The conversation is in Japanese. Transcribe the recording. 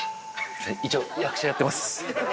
一応、役者やってます。